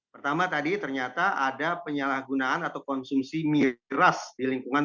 pertama tadi ternyata ada penyalahgunaan atau konsumsi miras di lingkungan